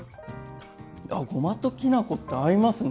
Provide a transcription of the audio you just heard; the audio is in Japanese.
あっごまときな粉って合いますね。